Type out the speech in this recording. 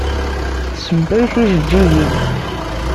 Tessewway tijeǧǧigin.